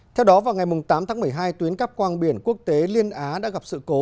theo đó vào ngày tám tháng một mươi hai tuyến cắp quang biển quốc tế liên á đã gặp sự cố